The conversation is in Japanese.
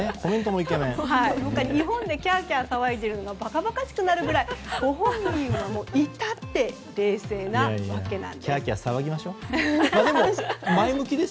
日本でキャーキャー騒いでいるのがばかばかしくなるぐらいご本人は至って冷静なわけなんです。